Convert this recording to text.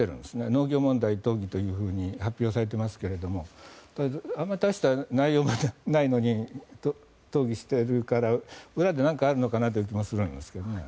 農業問題討議と発表されていますけどあまり大した内容がないのに討議しているから裏で何かあるのかなという気もするんですけどね。